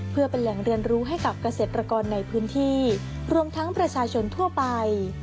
เพื่อเป็นแหล่งเรียนรู้ให้กับเกษตรกรในพื้นที่รวมทั้งประชาชนทั่วไป